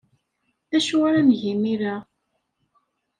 D acu ara neg imir-a?